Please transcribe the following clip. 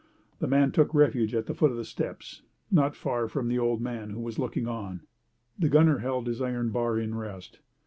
The man took refuge at the foot of the steps, not far from the old man who was looking on. The gunner held his iron bar in rest.